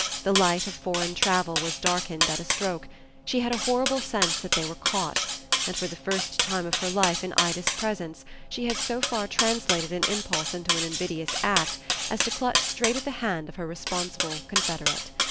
The light of foreign travel was darkened at a stroke; she had a horrible sense that they were caught; and for the first time of her life in Ida's presence she so far translated an impulse into an invidious act as to clutch straight at the hand of her responsible confederate.